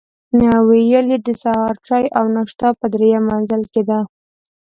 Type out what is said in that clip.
ویل یې د سهار چای او ناشته په درېیم منزل کې ده.